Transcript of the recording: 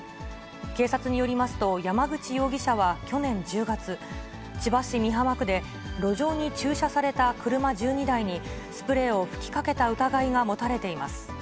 警察によりますと、山口容疑者は去年１０月、千葉市美浜区で路上に駐車された車１２台に、スプレーを吹きかけた疑いが持たれています。